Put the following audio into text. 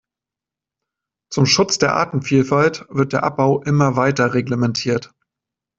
Zum Schutz der Artenvielfalt wird der Abbau immer weiter reglementiert.